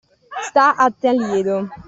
Sta a Taliedo;